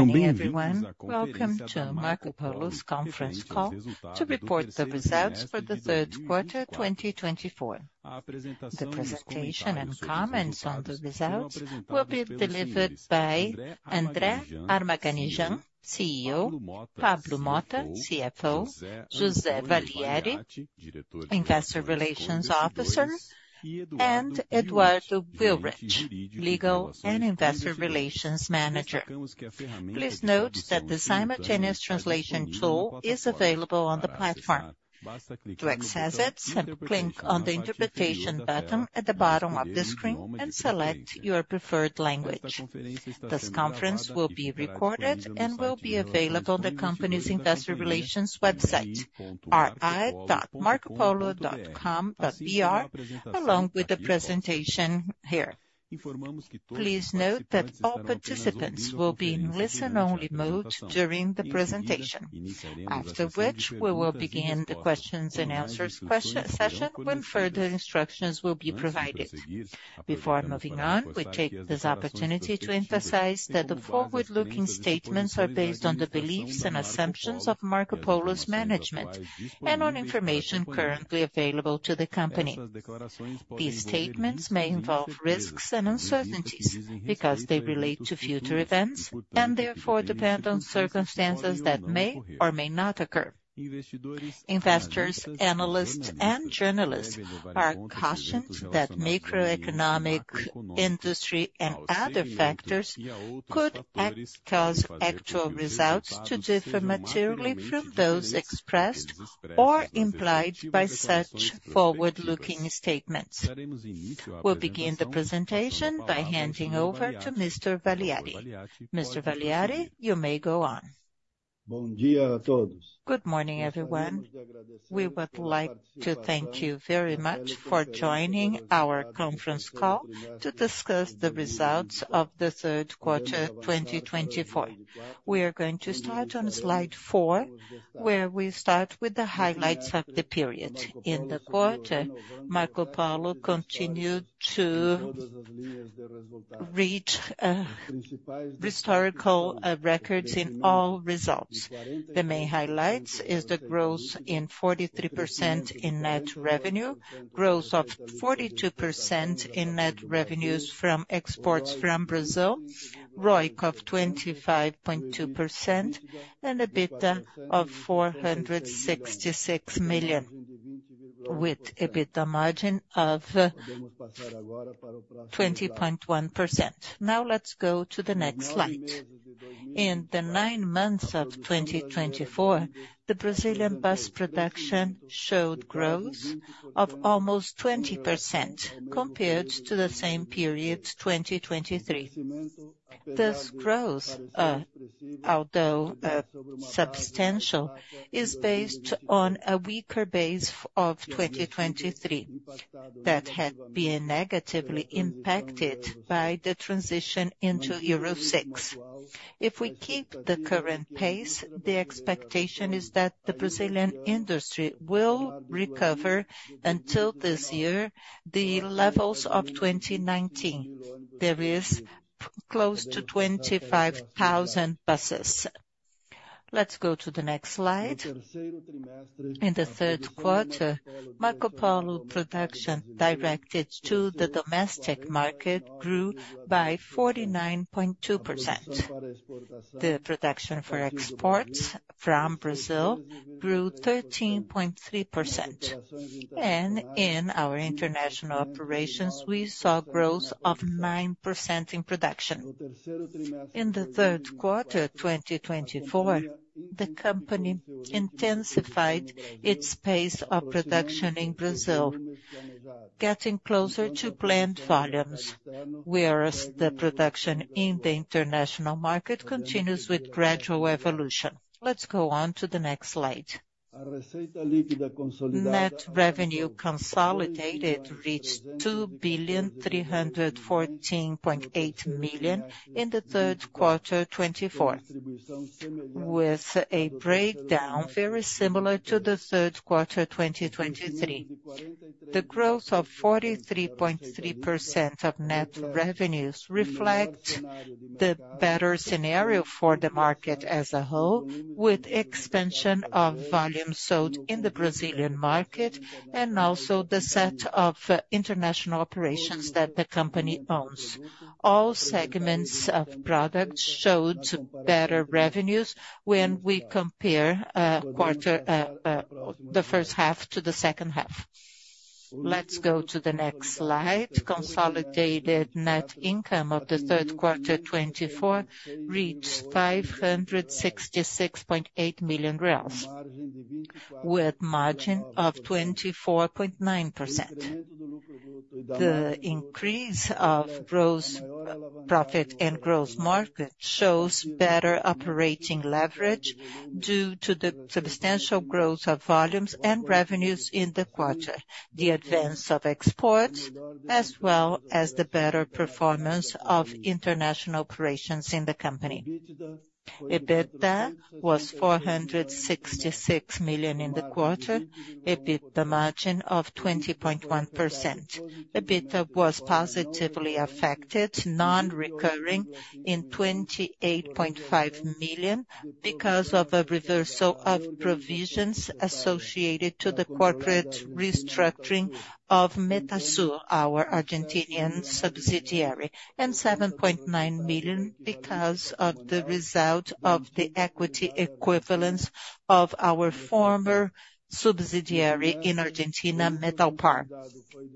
Good evening, everyone. Welcome to Marcopolo's conference call to report the results for the third quarter 2024. The presentation and comments on the results will be delivered by André Armaganijan, CEO; Pablo Motta, CFO; José Valiati, Investor Relations Officer; and Eduardo Willrich, Legal and Investor Relations Manager. Please note that the simultaneous translation tool is available on the platform. To access it, simply click on the interpretation button at the bottom of the screen and select your preferred language. This conference will be recorded and will be available on the company's Investor Relations website, ri.marcopolo.com.br, along with the presentation here. Please note that all participants will be in listen-only mode during the presentation, after which we will begin the questions and answers session when further instructions will be provided. Before moving on, we take this opportunity to emphasize that the forward-looking statements are based on the beliefs and assumptions of Marcopolo's management and on information currently available to the company. These statements may involve risks and uncertainties because they relate to future events and therefore depend on circumstances that may or may not occur. Investors, analysts, and journalists are cautioned that macroeconomic, industry, and other factors could cause actual results to differ materially from those expressed or implied by such forward-looking statements. We'll begin the presentation by handing over to Mr. Valiati. Mr. Valiati, you may go on. Good morning, everyone. We would like to thank you very much for joining our conference call to discuss the results of the third quarter 2024. We are going to start on slide 4, where we start with the highlights of the period. In the quarter, Marcopolo continued to reach historical records in all results. The main highlights are the growth in 43% in net revenue, growth of 42% in net revenues from exports from Brazil, ROIC of 25.2%, and EBITDA of 466 million, with EBITDA margin of 20.1%. Now let's go to the next slide. In the nine months of 2024, the Brazilian bus production showed growth of almost 20% compared to the same period 2023. This growth, although substantial, is based on a weaker base of 2023 that had been negatively impacted by the transition into Euro 6. If we keep the current pace, the expectation is that the Brazilian industry will recover until this year, the levels of 2019. There is close to 25,000 buses. Let's go to the next slide. In the third quarter, Marcopolo production directed to the domestic market grew by 49.2%. The production for exports from Brazil grew 13.3%, and in our international operations, we saw growth of 9% in production. In the third quarter 2024, the company intensified its pace of production in Brazil, getting closer to planned volumes, whereas the production in the international market continues with gradual evolution. Let's go on to the next slide. Net revenue consolidated reached 2,314.8 million in the third quarter 2024, with a breakdown very similar to the third quarter 2023. The growth of 43.3% of net revenues reflects the better scenario for the market as a whole, with expansion of volume sold in the Brazilian market and also the set of international operations that the company owns. All segments of product showed better revenues when we compare the first half to the second half. Let's go to the next slide. Consolidated net income of the third quarter 2024 reached 566.8 million, with a margin of 24.9%. The increase of gross profit and gross margin shows better operating leverage due to the substantial growth of volumes and revenues in the quarter, the advance of exports, as well as the better performance of international operations in the company. EBITDA was 466 million in the quarter, EBITDA margin of 20.1%. EBITDA was positively affected, non-recurring, in 28.5 million because of a reversal of provisions associated to the corporate restructuring of Metalsur, our Argentinian subsidiary, and 7.9 million because of the result of the equity equivalence of our former subsidiary in Argentina, Metalpar.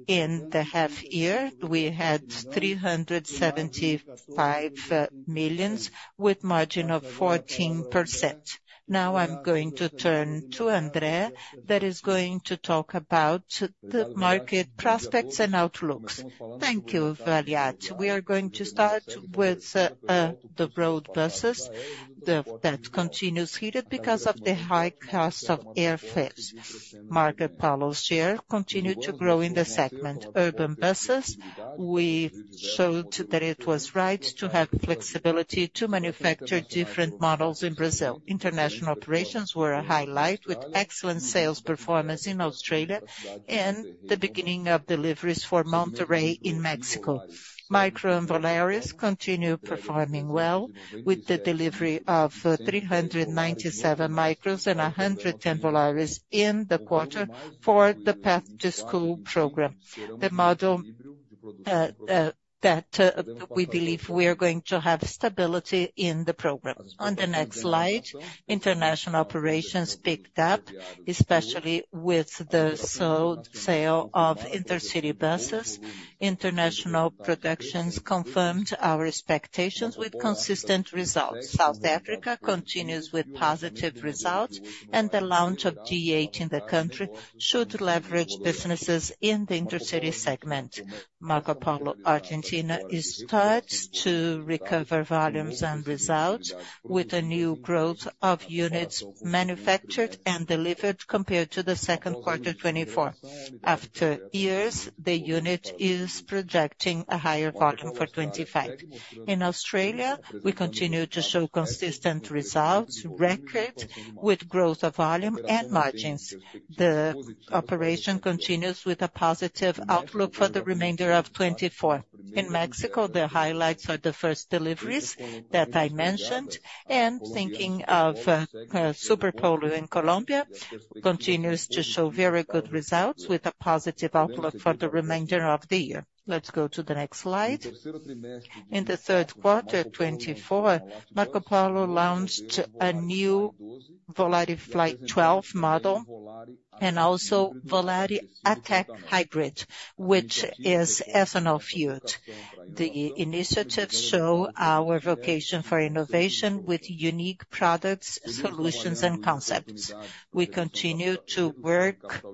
In the half year, we had 375 million with a margin of 14%. Now I'm going to turn to André, that is going to talk about the market prospects and outlooks. Thank you, Valiati. We are going to start with the road buses that continue to heat up because of the high cost of airfares. Marcopolo's share continued to grow in the segment, urban buses. We showed that it was right to have flexibility to manufacture different models in Brazil. International operations were a highlight, with excellent sales performance in Australia and the beginning of deliveries for Monterrey in Mexico. Micro and Volares continue performing well with the delivery of 397 micros and 110 Volares in the quarter for the Path to School program, the model that we believe we are going to have stability in the program. On the next slide, international operations picked up, especially with the sale of intercity buses. International productions confirmed our expectations with consistent results. South Africa continues with positive results, and the launch of G8 in the country should leverage businesses in the intercity segment. Marcopolo, Argentina, is starting to recover volumes and results with a new growth of units manufactured and delivered compared to the second quarter 2024. After years, the unit is projecting a higher volume for 2025. In Australia, we continue to show consistent results, records with growth of volume and margins. The operation continues with a positive outlook for the remainder of 2024. In Mexico, the highlights are the first deliveries that I mentioned, and thinking of Superpolo in Colombia continues to show very good results with a positive outlook for the remainder of the year. Let's go to the next slide. In the third quarter 2024, Marcopolo launched a new Volare Fly 12 model and also Volare Attack Hybrid, which is ethanol fueled. The initiatives show our vocation for innovation with unique products, solutions, and concepts. We continue to work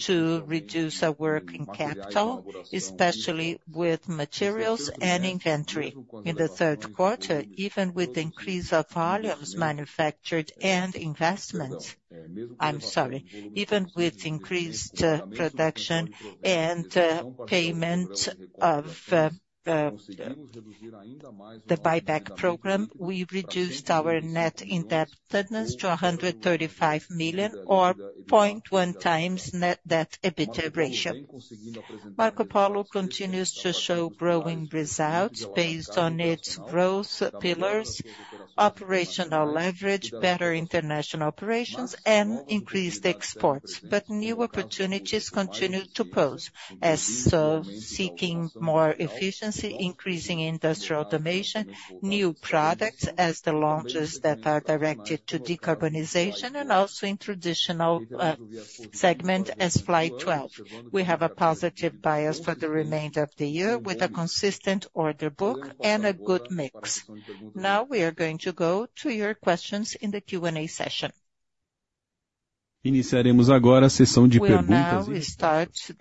to reduce our working capital, especially with materials and inventory. In the third quarter, even with the increase of volumes manufactured and investments, I'm sorry, even with increased production and payment of the buyback program, we reduced our net indebtedness to 135 million, or 0.1 times net debt EBITDA ratio. Marcopolo continues to show growing results based on its growth pillars, operational leverage, better international operations, and increased exports, but new opportunities continue to pose. Also seeking more efficiency, increasing industrial automation, new products as the launches that are directed to decarbonization, and also in the traditional segment as Fly 12. We have a positive bias for the remainder of the year with a consistent order book and a good mix. Now we are going to go to your questions in the Q&A session. We now start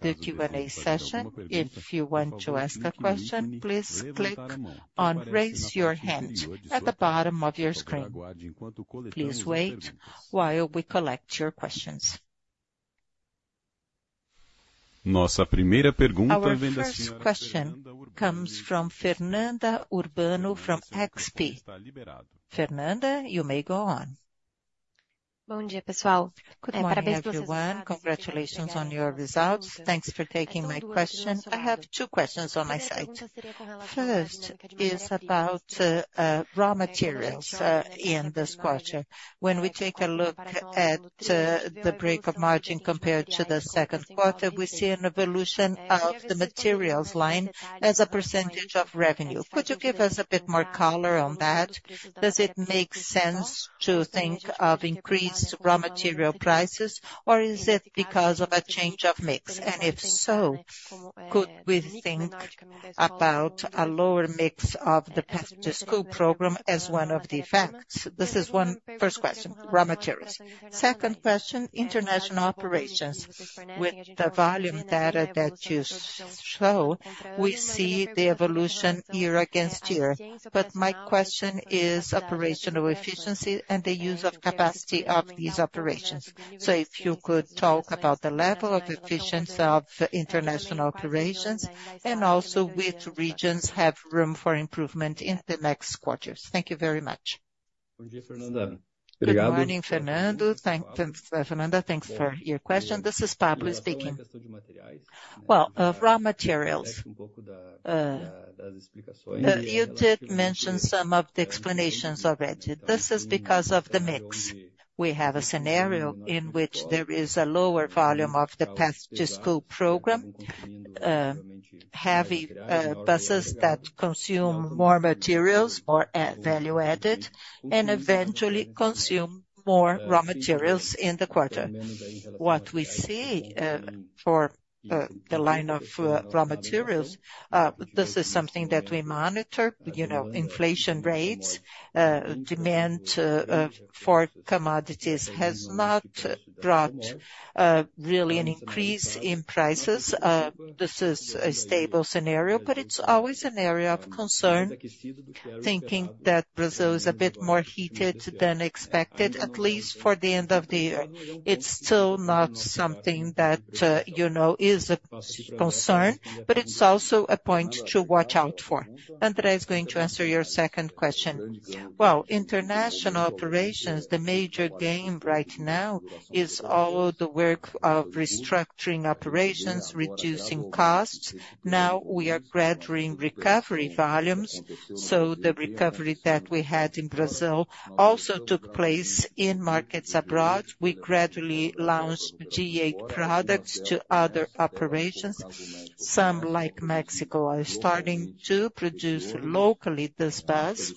the Q&A session. If you want to ask a question, please click on "Raise Your Hand" at the bottom of your screen. Please wait while we collect your questions. Our first question comes from Fernanda Urbano from XP. Fernanda, you may go on. Good morning, everyone. Congratulations on your results. Thanks for taking my question. I have two questions on my side. First is about raw materials in this quarter. When we take a look at the breakdown of margin compared to the second quarter, we see an evolution of the materials line as a percentage of revenue. Could you give us a bit more color on that? Does it make sense to think of increased raw material prices, or is it because of a change of mix? And if so, could we think about a lower mix of the path to school program as one of the factors? This is my first question, raw materials. Second question, international operations. With the volume data that you show, we see the evolution year against year. But my question is operational efficiency and the use of capacity of these operations. If you could talk about the level of efficiency of international operations and also which regions have room for improvement in the next quarters. Thank you very much. Good morning, Fernanda. Thanks, Fernanda. Thanks for your question. This is Pablo speaking. Well, raw materials. You did mention some of the explanations already. This is because of the mix. We have a scenario in which there is a lower volume of the path to school program, heavy buses that consume more materials, more value added, and eventually consume more raw materials in the quarter. What we see for the line of raw materials, this is something that we monitor. You know, inflation rates, demand for commodities has not brought really an increase in prices. This is a stable scenario, but it's always an area of concern, thinking that Brazil is a bit more heated than expected, at least for the end of the year. It's still not something that, you know, is a concern, but it's also a point to watch out for. André is going to answer your second question. International operations, the major game right now is all the work of restructuring operations, reducing costs. Now we are gradually recovering volumes. The recovery that we had in Brazil also took place in markets abroad. We gradually launched G8 products to other operations. Some, like Mexico, are starting to produce locally this bus.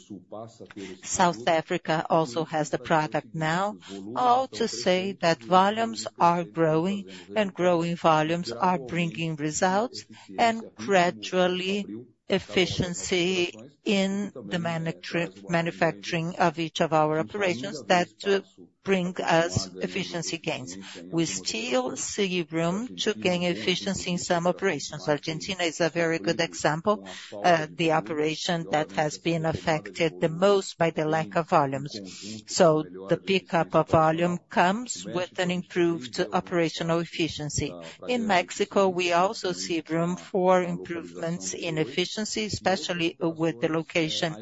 South Africa also has the product now. All to say that volumes are growing, and growing volumes are bringing results and gradually efficiency in the manufacturing of each of our operations that bring us efficiency gains. We still see room to gain efficiency in some operations. Argentina is a very good example, the operation that has been affected the most by the lack of volumes. The pickup of volume comes with an improved operational efficiency. In Mexico, we also see room for improvements in efficiency, especially with the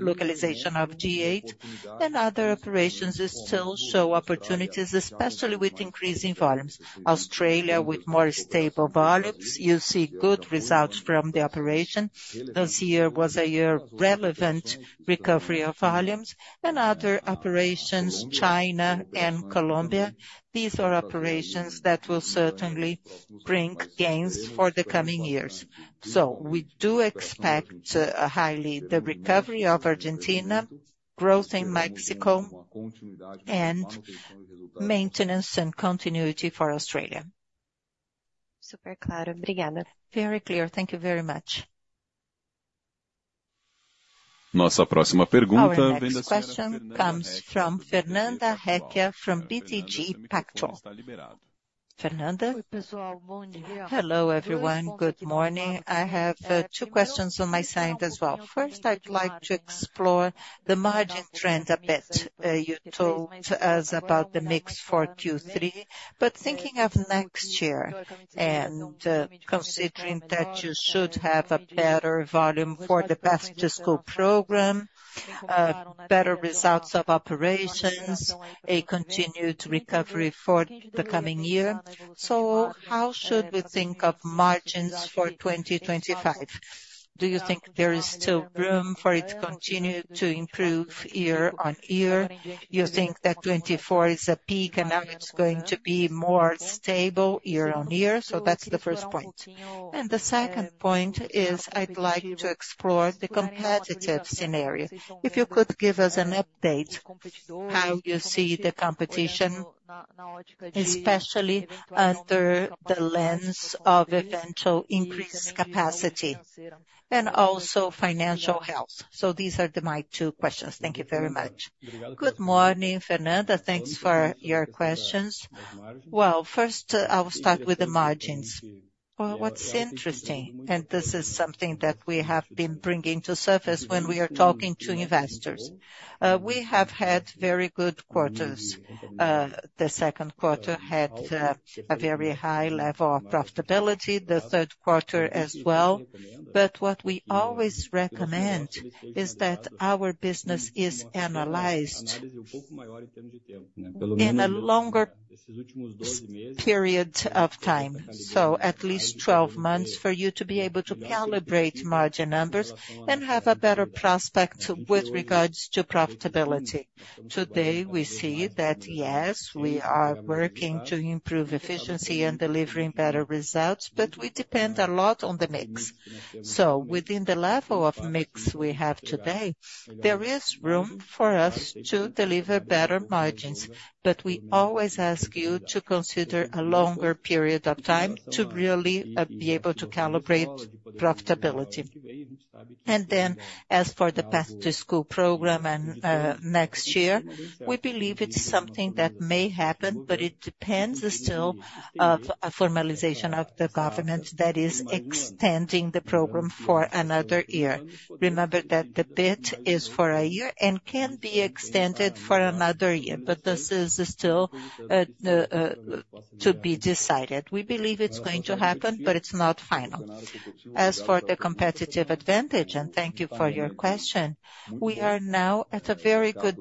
localization of G8. And other operations still show opportunities, especially with increasing volumes. Australia, with more stable volumes, you see good results from the operation. This year was a year of relevant recovery of volumes. And other operations, China and Colombia, these are operations that will certainly bring gains for the coming years. So we do expect highly the recovery of Argentina, growth in Mexico, and maintenance and continuity for Australia. Very clear. Thank you very much. Our next question comes from Fernanda Recchia, from BTG Pactual. Fernanda? Hello, everyone. Good morning. I have two questions on my side as well. First, I'd like to explore the margin trend a bit. You told us about the mix for Q3, but thinking of next year and considering that you should have a better volume for the path to school program, better results of operations, a continued recovery for the coming year, so how should we think of margins for 2025? Do you think there is still room for it to continue to improve year on year? You think that 24 is a peak and now it's going to be more stable year on year, so that's the first point. And the second point is I'd like to explore the competitive scenario. If you could give us an update on how you see the competition, especially under the lens of eventual increased capacity and also financial health. These are my two questions. Thank you very much. Good morning, Fernanda. Thanks for your questions. Well, first I will start with the margins. What's interesting, and this is something that we have been bringing to the surface when we are talking to investors, we have had very good quarters. The second quarter had a very high level of profitability, the third quarter as well. But what we always recommend is that our business is analyzed in a longer period of time, so at least 12 months, for you to be able to calibrate margin numbers and have a better prospect with regards to profitability. Today we see that, yes, we are working to improve efficiency and delivering better results, but we depend a lot on the mix. So within the level of mix we have today, there is room for us to deliver better margins, but we always ask you to consider a longer period of time to really be able to calibrate profitability. And then, as for the path to school program and next year, we believe it's something that may happen, but it depends still on a formalization of the government that is extending the program for another year. Remember that the bid is for a year and can be extended for another year, but this is still to be decided. We believe it's going to happen, but it's not final. As for the competitive advantage, and thank you for your question, we are now at a very good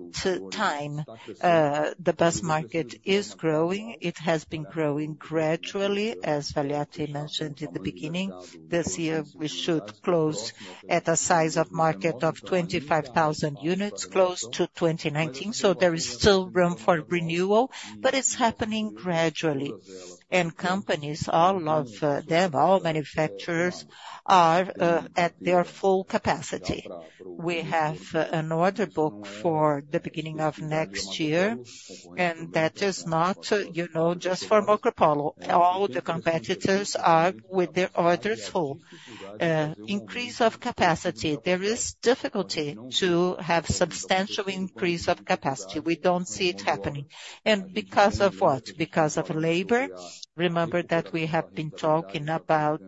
time. The bus market is growing. It has been growing gradually, as Valiati mentioned in the beginning. This year we should close at a size of market of 25,000 units, close to 2019. There is still room for renewal, but it's happening gradually. Companies, all of them, all manufacturers are at their full capacity. We have an order book for the beginning of next year, and that is not, you know, just for Marcopolo. All the competitors are with their orders full. Increase of capacity. There is difficulty to have a substantial increase of capacity. We don't see it happening. Because of what? Because of labor. Remember that we have been talking about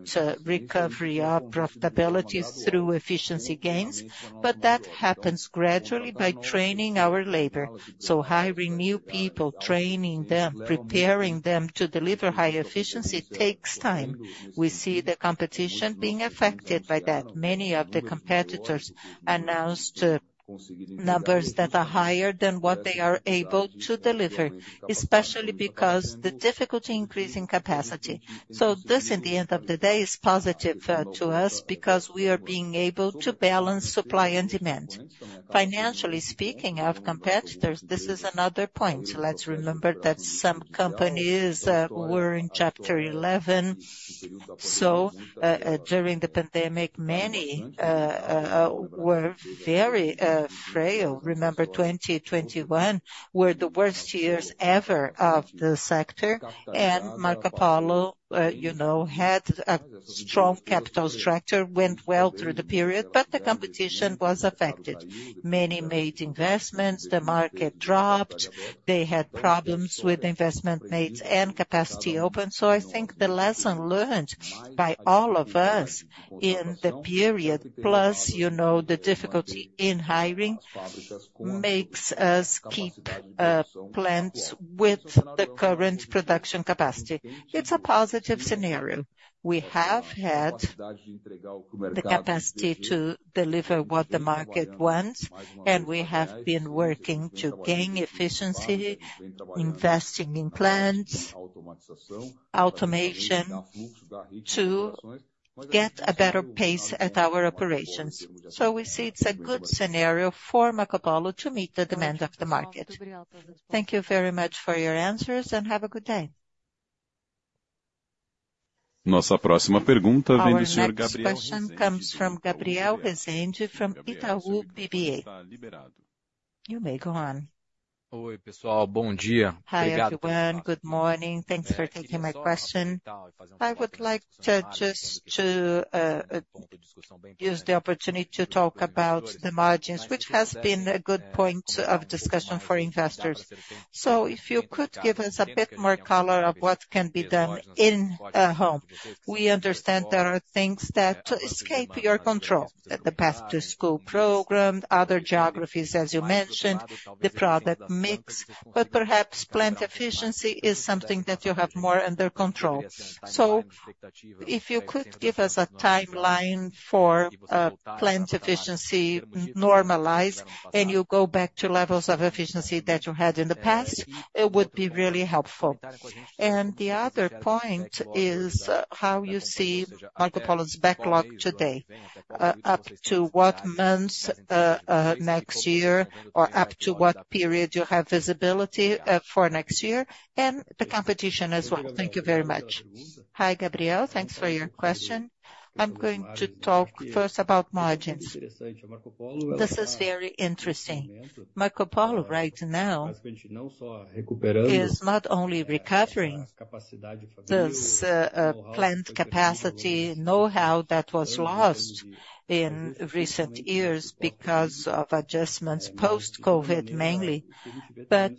recovery of profitability through efficiency gains, but that happens gradually by training our labor. Hiring new people, training them, preparing them to deliver high efficiency takes time. We see the competition being affected by that. Many of the competitors announced numbers that are higher than what they are able to deliver, especially because of the difficulty increasing capacity, so this, at the end of the day, is positive to us because we are being able to balance supply and demand. Financially speaking, of competitors, this is another point. Let's remember that some companies were in Chapter 11, so during the pandemic, many were very frail. Remember 2021, where the worst years ever of the sector, and Marcopolo, you know, had a strong capital structure, went well through the period, but the competition was affected. Many made investments, the market dropped, they had problems with investment mismatches and open capacity, so I think the lesson learned by all of us in the period, plus you know the difficulty in hiring, makes us keep plans with the current production capacity. It's a positive scenario. We have had the capacity to deliver what the market wants, and we have been working to gain efficiency, investing in plants, automation to get a better pace at our operations. So we see it's a good scenario for Marcopolo to meet the demand of the market. Thank you very much for your answers, and have a good day. Our next question comes from Gabriel Rezende, from Itaú BBA. You may go on. Hi, everyone. Good morning. Thanks for taking my question. I would like just to use the opportunity to talk about the margins, which has been a good point of discussion for investors, so if you could give us a bit more color on what can be done in the home market. We understand there are things that escape your control, the path to school program, other geographies, as you mentioned, the product mix, but perhaps plant efficiency is something that you have more under control, so if you could give us a timeline for plant efficiency normalized and you go back to levels of efficiency that you had in the past, it would be really helpful, and the other point is how you see Marcopolo's backlog today, up to what months next year, or up to what period you have visibility for next year, and the competition as well? Thank you very much. Hi, Gabriel. Thanks for your question. I'm going to talk first about margins. This is very interesting. Marcopolo right now is not only recovering this plant capacity know-how that was lost in recent years because of adjustments post-COVID mainly. But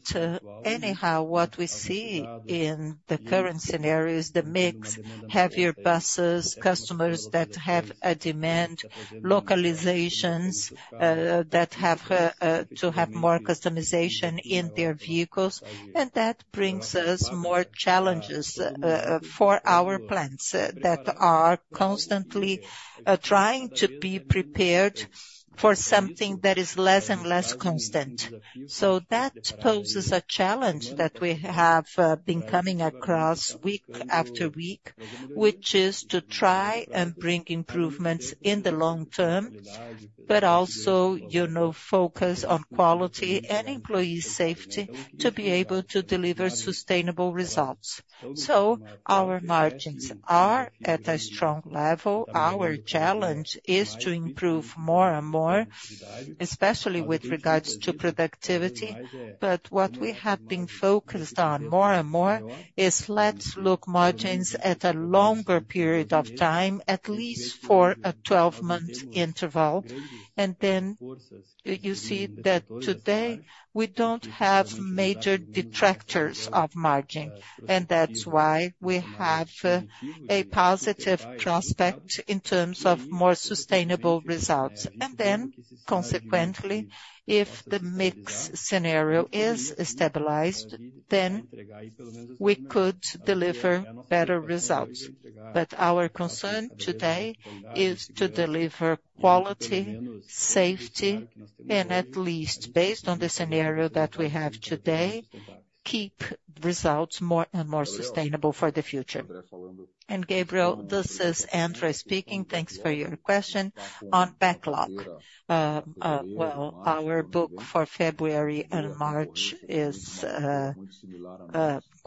anyhow, what we see in the current scenario is the mix, heavier buses, customers that have a demand, localizations that have to have more customization in their vehicles, and that brings us more challenges for our plants that are constantly trying to be prepared for something that is less and less constant. So that poses a challenge that we have been coming across week after week, which is to try and bring improvements in the long term, but also, you know, focus on quality and employee safety to be able to deliver sustainable results. So our margins are at a strong level. Our challenge is to improve more and more, especially with regards to productivity, but what we have been focused on more and more is let's look at margins at a longer period of time, at least for a 12-month interval, and then you see that today we don't have major detractors of margin, and that's why we have a positive prospect in terms of more sustainable results, and then, consequently, if the mix scenario is stabilized, then we could deliver better results. But our concern today is to deliver quality, safety, and at least, based on the scenario that we have today, keep results more and more sustainable for the future. And Gabriel, this is André speaking. Thanks for your question on backlog. Well, our book for February and March is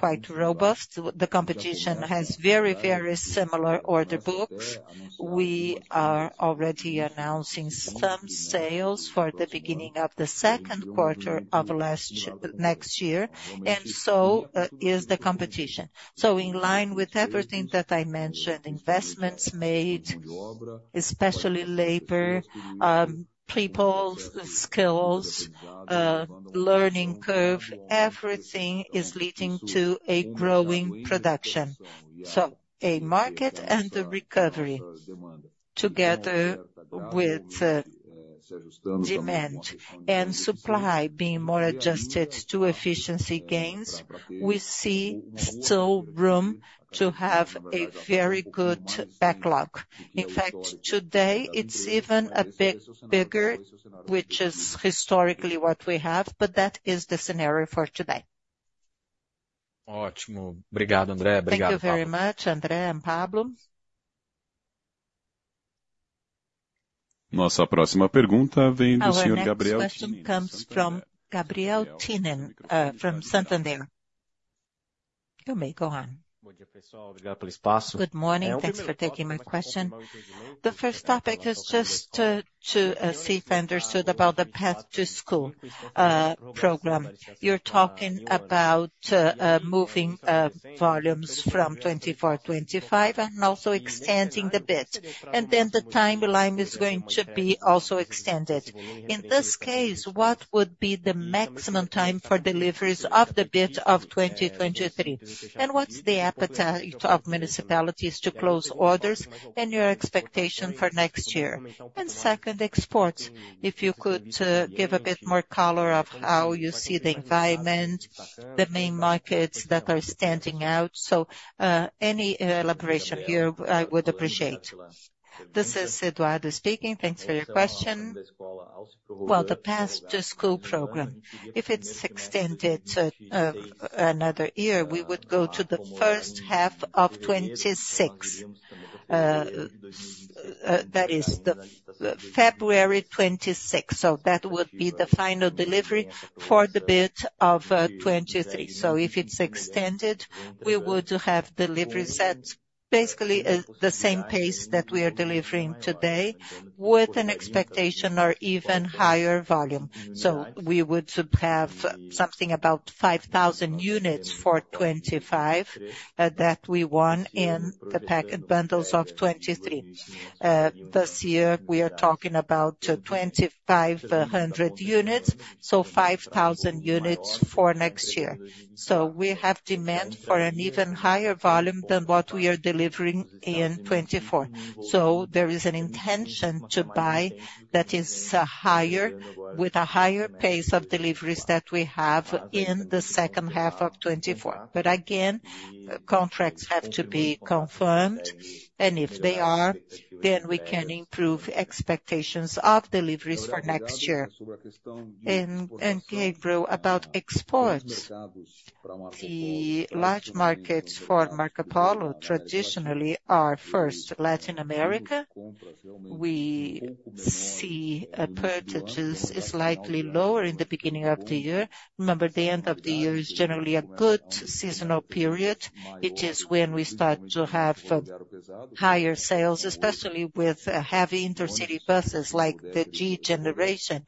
quite robust. The competition has very, very similar order books. We are already announcing some sales for the beginning of the second quarter of next year, and so is the competition. So in line with everything that I mentioned, investments made, especially labor, people, skills, learning curve, everything is leading to a growing production. So a market and the recovery, together with demand and supply being more adjusted to efficiency gains, we see still room to have a very good backlog. In fact, today it's even a bit bigger, which is historically what we have, but that is the scenario for today. Thank you very much, André and Pablo. Our next question comes from Gabriel Tinem from Santander. You may go on. Good morning. Thanks for taking my question. The first topic is just to see if I understood about the path to school program. You're talking about moving volumes from 2024, 2025, and also extending the bid. And then the timeline is going to be also extended. In this case, what would be the maximum time for deliveries of the bid of 2023? And what's the appetite of municipalities to close orders and your expectation for next year? And second, exports, if you could give a bit more color of how you see the environment, the main markets that are standing out. So any elaboration here, I would appreciate. This is Eduardo speaking. Thanks for your question. Well, the path to school program, if it's extended another year, we would go to the first half of 2026. That is February 2026. That would be the final delivery for the bid of 2023. So if it's extended, we would have deliveries at basically the same pace that we are delivering today with an expectation or even higher volume. So we would have something about 5,000 units for 2025 that we won in the packet bundles of 2023. This year we are talking about 2,500 units, so 5,000 units for next year. So we have demand for an even higher volume than what we are delivering in 2024. So there is an intention to buy that is higher with a higher pace of deliveries that we have in the second half of 2024. But again, contracts have to be confirmed, and if they are, then we can improve expectations of deliveries for next year. And Gabriel, about exports, the large markets for Marcopolo traditionally are first Latin America. We see percentages slightly lower in the beginning of the year. Remember, the end of the year is generally a good seasonal period. It is when we start to have higher sales, especially with heavy intercity buses like the G generation,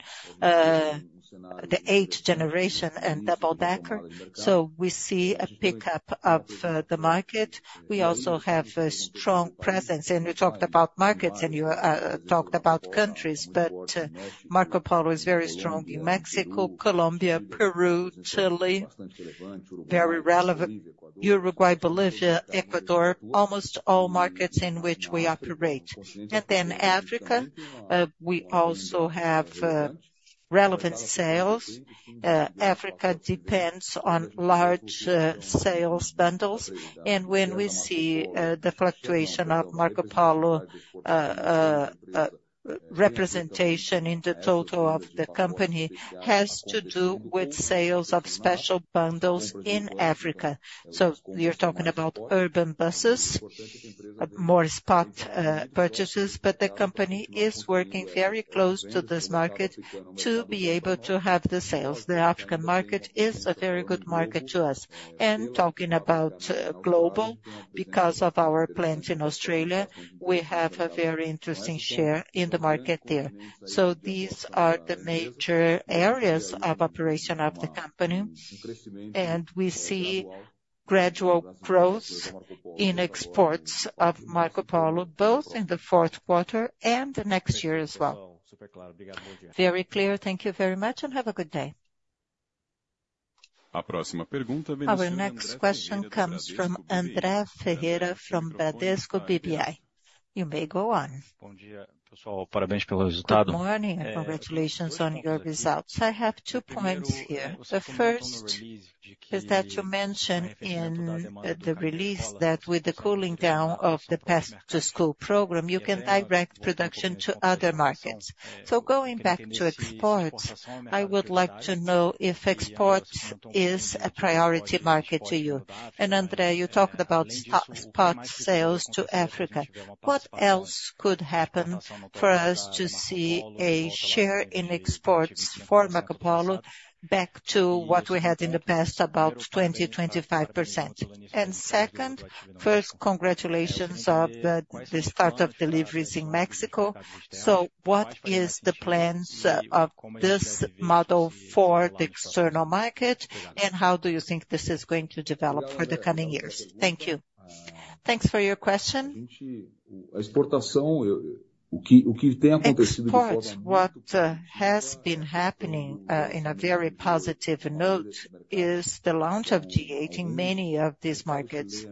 the Eighth generation, and double-decker. So we see a pickup of the market. We also have a strong presence, and you talked about markets, and you talked about countries, but Marcopolo is very strong in Mexico, Colombia, Peru, Chile, very relevant, Uruguay, Bolivia, Ecuador, almost all markets in which we operate. Then Africa, we also have relevant sales. Africa depends on large sales bundles, and when we see the fluctuation of Marcopolo representation in the total of the company has to do with sales of special bundles in Africa. So, you're talking about urban buses, more spot purchases, but the company is working very close to this market to be able to have the sales. The African market is a very good market to us. And talking about global, because of our plant in Australia, we have a very interesting share in the market there. So these are the major areas of operation of the company, and we see gradual growth in exports of Marcopolo, both in the fourth quarter and next year as well. Very clear. Thank you very much, and have a good day. Our next question comes from André Ferreira, from Bradesco BBI. You may go on. Good morning. Congratulations on your results. I have two points here. The first is that you mentioned in the release that with the cooling down of the path to school program, you can direct production to other markets. So going back to exports, I would like to know if exports is a priority market to you. And André, you talked about spot sales to Africa. What else could happen for us to see a share in exports for Marcopolo back to what we had in the past, about 20%-25%? And second, first, congratulations on the start of deliveries in Mexico. So what is the plans of this model for the external market, and how do you think this is going to develop for the coming years? Thank you. Thanks for your question. Of course, what has been happening on a very positive note is the launch of G8 in many of these markets: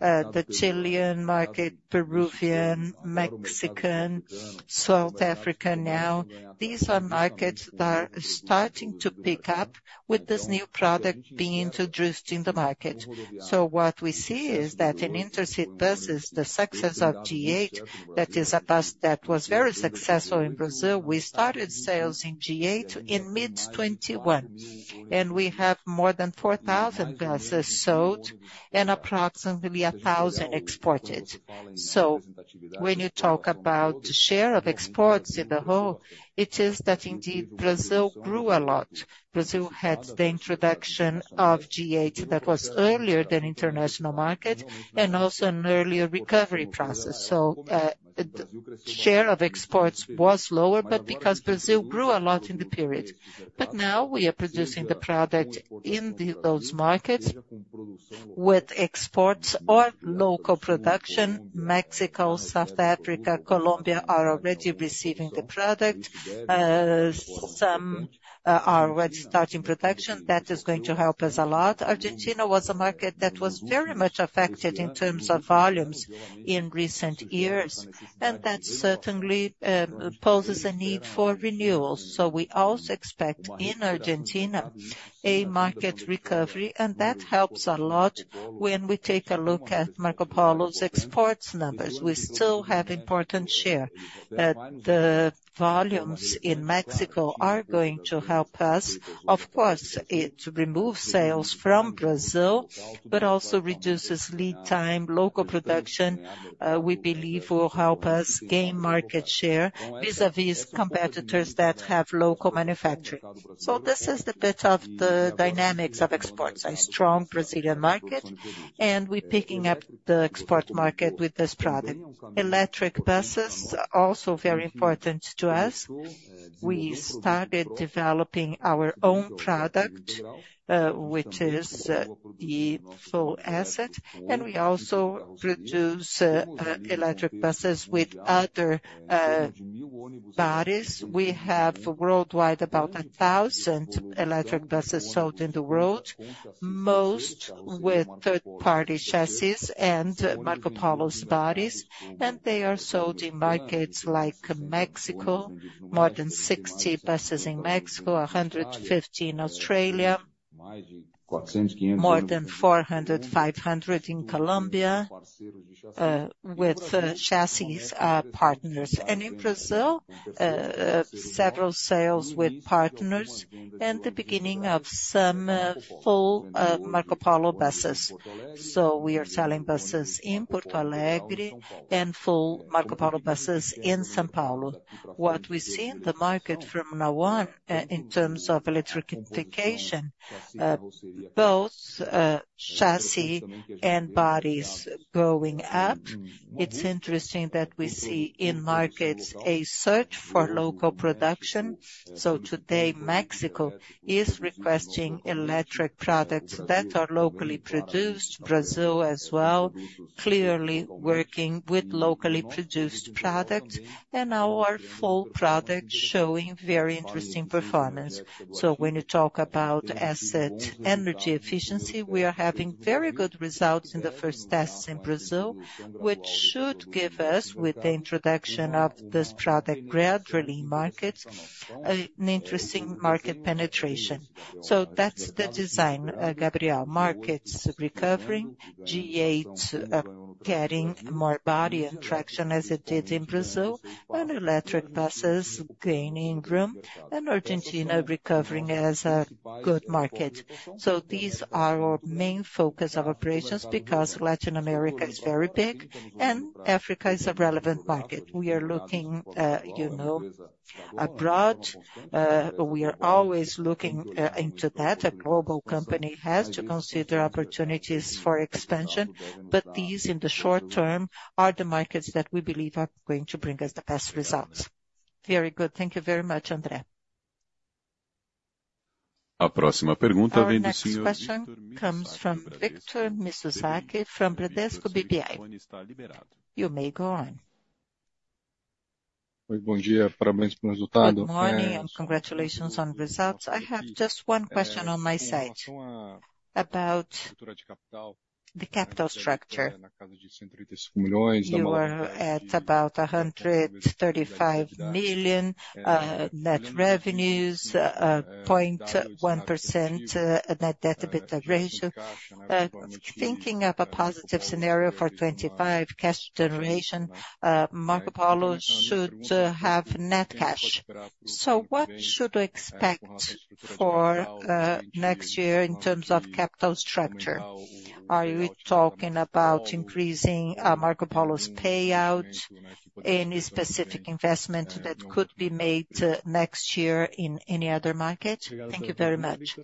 the Chilean market, Peruvian, Mexican, South Africa now. These are markets that are starting to pick up with this new product being introduced in the market. So what we see is that in intercity buses, the success of G8, that is a bus that was very successful in Brazil. We started sales in G8 in mid-2021, and we have more than 4,000 buses sold and approximately 1,000 exported. So when you talk about the share of exports in the whole, it is that indeed Brazil grew a lot. Brazil had the introduction of G8 that was earlier than the international market and also an earlier recovery process. So the share of exports was lower, but because Brazil grew a lot in the period. But now we are producing the product in those markets with exports or local production. Mexico, South Africa, Colombia are already receiving the product. Some are already starting production. That is going to help us a lot. Argentina was a market that was very much affected in terms of volumes in recent years, and that certainly poses a need for renewals. So we also expect in Argentina a market recovery, and that helps a lot when we take a look at Marcopolo's exports numbers. We still have an important share. The volumes in Mexico are going to help us. Of course, it removes sales from Brazil, but also reduces lead time. Local production, we believe, will help us gain market share vis-à-vis competitors that have local manufacturing. So this is a bit of the dynamics of exports. A strong Brazilian market, and we're picking up the export market with this product. Electric buses are also very important to us. We started developing our own product, which is the Attivi, and we also produce electric buses with other bodies. We have worldwide about 1,000 electric buses sold in the world, most with third-party chassis and Marcopolo's bodies, and they are sold in markets like Mexico, more than 60 buses in Mexico, 115 in Australia, more than 400, 500 in Colombia with chassis partners, and in Brazil, several sales with partners and the beginning of some full Marcopolo busses, so we are selling buses in Porto Alegre and Attivi in São Paulo. What we see in the market from now on in terms of electrification, both chassis and bodies going up, it's interesting that we see in markets a search for local production. So today, Mexico is requesting electric products that are locally produced. Brazil as well, clearly working with locally produced products and our Attivi products showing very interesting performance. So when you talk about Attivi energy efficiency, we are having very good results in the first tests in Brazil, which should give us, with the introduction of this product gradually in markets, an interesting market penetration. So that's the design, Gabriel. Markets recovering, G8 getting more body and traction as it did in Brazil, and electric buses gaining room, and Argentina recovering as a good market. So these are our main focus of operations because Latin America is very big and Africa is a relevant market. We are looking abroad. We are always looking into that. A global company has to consider opportunities for expansion, but these in the short term are the markets that we believe are going to bring us the best results. Very good. Thank you very much, André. Our next question comes from Victor Mizusaki from Bradesco BBI. You may go on. Good morning and congratulations on the results. I have just one question on my side about the capital structure. You are at about R$ 135 million net revenues, 0.1% net debt to EBITDA ratio. Thinking of a positive scenario for 2025, cash generation, Marcopolo should have net cash. So what should we expect for next year in terms of capital structure? Are you talking about increasing Marcopolo's payout, any specific investment that could be made next year in any other market? Thank you very much.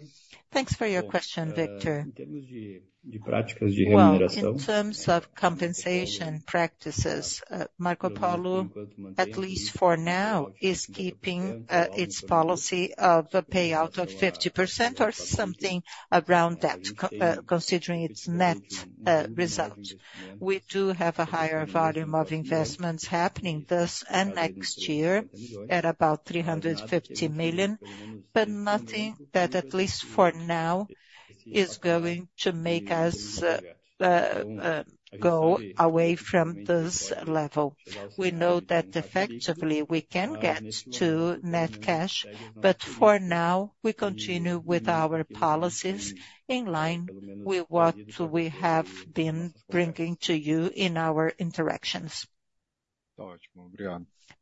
Thanks for your question, Victor. In terms of compensation practices, Marcopolo, at least for now, is keeping its policy of payout of 50% or something around that, considering its net result. We do have a higher volume of investments happening this and next year at about 350 million, but nothing that at least for now is going to make us go away from this level. We know that effectively we can get to net cash, but for now we continue with our policies in line with what we have been bringing to you in our interactions.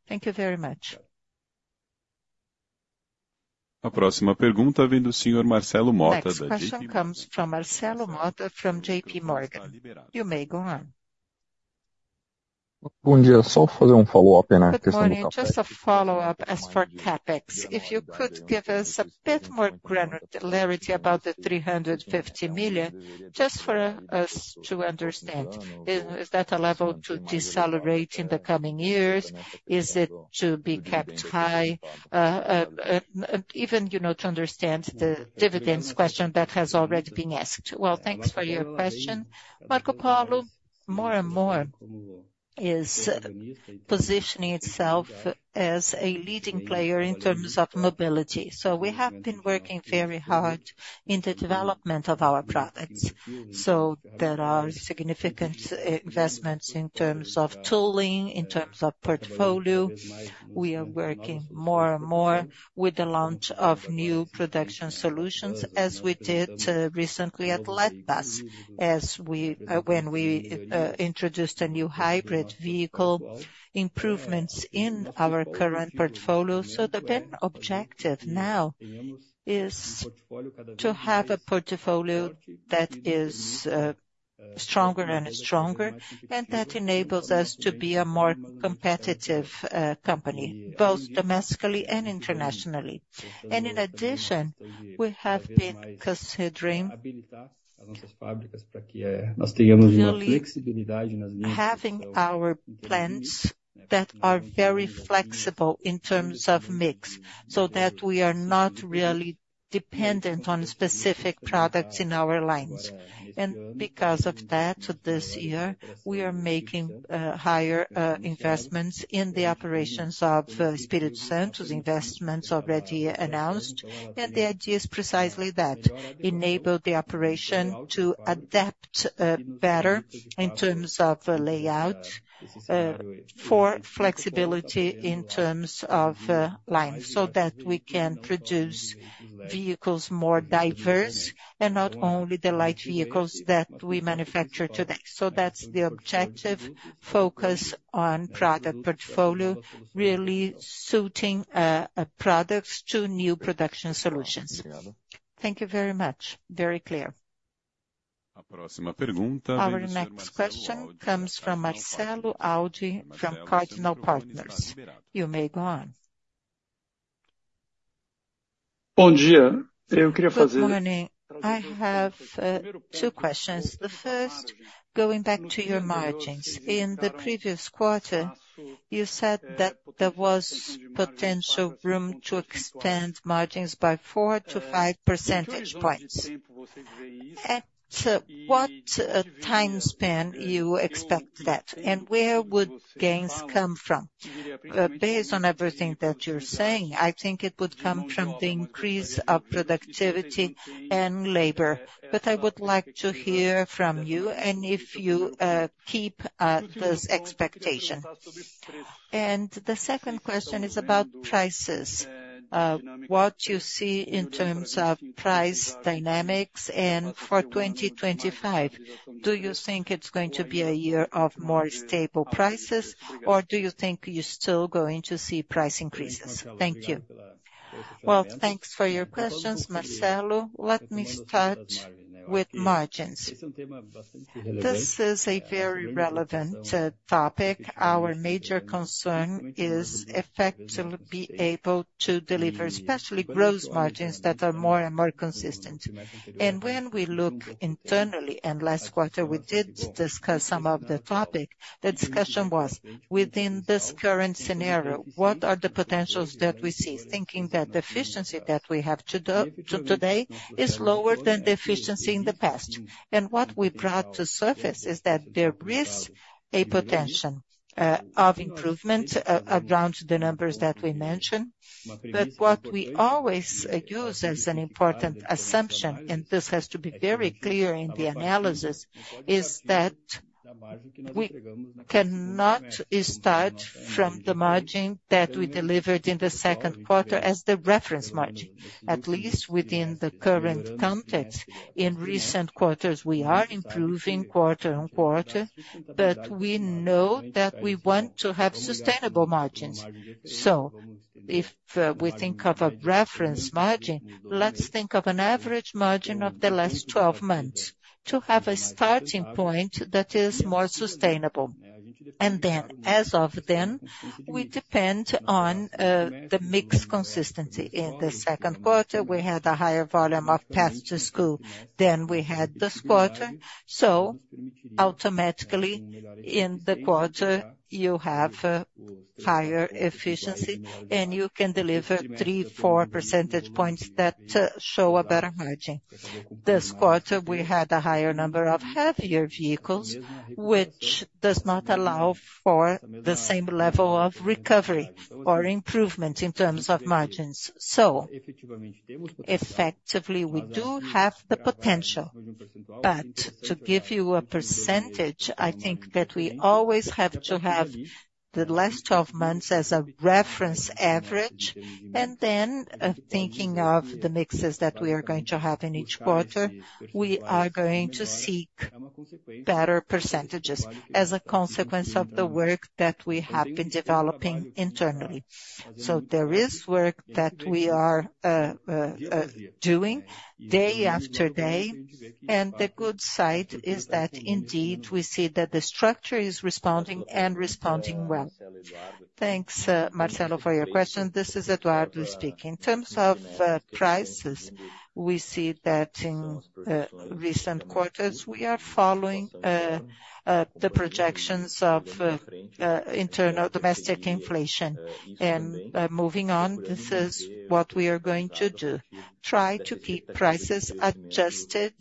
Thank you very much. Our next question comes from Marcelo Motta from J.P. Morgan. You may go on. Good morning. Just a follow-up as for CapEx. If you could give us a bit more granularity about the 350 million, just for us to understand, is that a level to decelerate in the coming years? Is it to be kept high? Even, you know, to understand the dividends question that has already been asked. Thanks for your question. Marcopolo, more and more, is positioning itself as a leading player in terms of mobility. So we have been working very hard in the development of our products. So there are significant investments in terms of tooling, in terms of portfolio. We are working more and more with the launch of new production solutions, as we did recently at Lat.Bus, when we introduced a new hybrid vehicle improvements in our current portfolio. So the main objective now is to have a portfolio that is stronger and stronger, and that enables us to be a more competitive company, both domestically and internationally. And in addition, we have been considering having our plants that are very flexible in terms of mix, so that we are not really dependent on specific products in our lines. And because of that, this year, we are making higher investments in the operations of Espírito Santo, investments already announced, and the idea is precisely that: enable the operation to adapt better in terms of layout for flexibility in terms of lines, so that we can produce vehicles more diverse and not only the light vehicles that we manufacture today. So that's the objective: focus on product portfolio, really suiting products to new production solutions. Thank you very much. Very clear. Our next question comes from Marcelo Audi from Cardinal Partners. You may go on. Good morning. I have two questions. The first, going back to your margins, in the previous quarter, you said that there was potential room to extend margins by 4-5 percentage points. At what time span do you expect that? And where would gains come from? Based on everything that you're saying, I think it would come from the increase of productivity and labor. But I would like to hear from you and if you keep this expectation. And the second question is about prices. What do you see in terms of price dynamics? And for 2025, do you think it's going to be a year of more stable prices, or do you think you're still going to see price increases? Thank you. Well, thanks for your questions, Marcelo. Let me start with margins. This is a very relevant topic. Our major concern is, in fact, to be able to deliver, especially gross margins that are more and more consistent, and when we look internally, and last quarter we did discuss some of the topic, the discussion was, within this current scenario, what are the potentials that we see, thinking that the efficiency that we have today is lower than the efficiency in the past, and what we brought to the surface is that there is a potential of improvement around the numbers that we mentioned, but what we always use as an important assumption, and this has to be very clear in the analysis, is that we cannot start from the margin that we delivered in the second quarter as the reference margin, at least within the current context. In recent quarters, we are improving quarter on quarter, but we know that we want to have sustainable margins. So if we think of a reference margin, let's think of an average margin of the last 12 months to have a starting point that is more sustainable. And then, as of then, we depend on the mix consistency. In the second quarter, we had a higher volume of paths to school than we had this quarter. So automatically, in the quarter, you have higher efficiency, and you can deliver 3-4 percentage points that show a better margin. This quarter, we had a higher number of heavier vehicles, which does not allow for the same level of recovery or improvement in terms of margins. So effectively, we do have the potential. But to give you a percentage, I think that we always have to have the last 12 months as a reference average. Then, thinking of the mixes that we are going to have in each quarter, we are going to seek better percentages as a consequence of the work that we have been developing internally. There is work that we are doing day after day. The good side is that, indeed, we see that the structure is responding and responding well. Thanks, Marcelo, for your question. This is Eduardo speaking. In terms of prices, we see that in recent quarters we are following the projections of domestic inflation. Moving on, this is what we are going to do: try to keep prices adjusted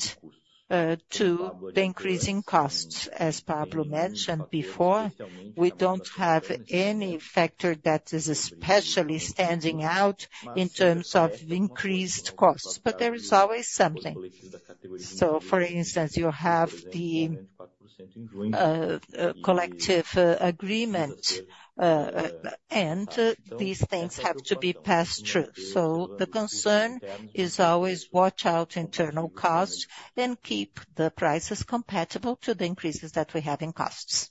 to the increasing costs. As Pablo mentioned before, we don't have any factor that is especially standing out in terms of increased costs, but there is always something. For instance, you have the collective agreement, and these things have to be passed through. So the concern is always to watch our internal costs and keep the prices compatible to the increases that we have in costs.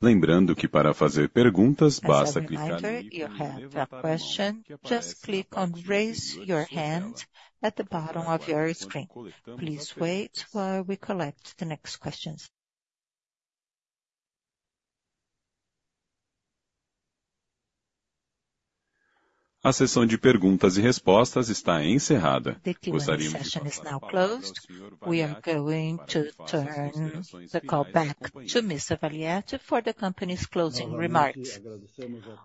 As a reminder, if you have a question, just click on "Raise Your Hand" at the bottom of your screen. Please wait while we collect the next questions. The Q&A session is now closed. We are going to turn the call back to Mr. Valiati for the company's closing remarks.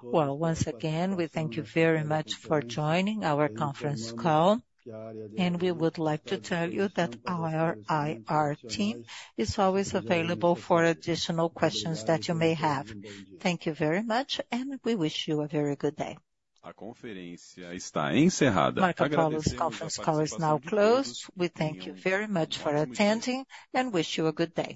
Once again, we thank you very much for joining our conference call. We would like to tell you that our IR team is always available for additional questions that you may have. Thank you very much, and we wish you a very good day. Marcopolo conference call is now closed. We thank you very much for attending and wish you a good day.